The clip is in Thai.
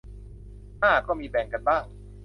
อ่า มีก็แบ่งกันบ้าง